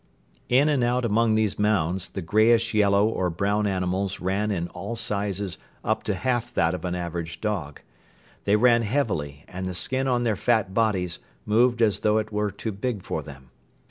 In and out among these mounds the greyish yellow or brown animals ran in all sizes up to half that of an average dog. They ran heavily and the skin on their fat bodies moved as though it were too big for them.